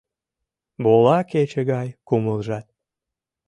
Вола кече гай кумылжат.